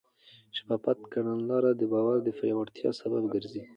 شفافه کړنلاره د باور د پیاوړتیا سبب ګرځي.